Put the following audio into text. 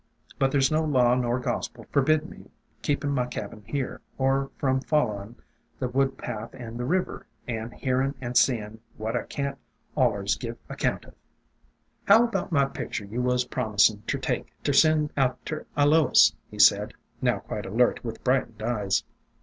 But there 's no law nor gospel ter forbid me keepin' my cabin here, or from followin' the wood path and the river, and hearin' and seein' what I can't allers give account of. ... "How about my picture you was promisin' ter take, ter send out ter A lois?" he asked, now quite alert, with brightened eyes.